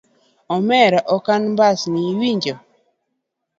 Omera ok anmbasni iwinjo